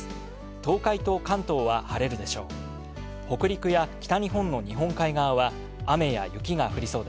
東海と関東は晴れるでしょう。